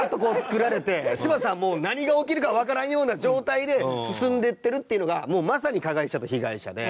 柴田さんも何が起きるかわからんような状態で進んでいってるっていうのがもうまさに加害者と被害者で。